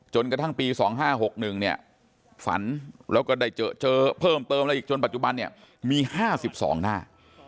จนกระทั่งปี๒๕๖๑ฝันแล้วก็ได้เจอเพิ่มเติมแล้วอีกจนปัจจุบันมี๕๒หน้า